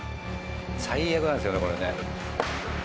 最悪なんですよねこれね。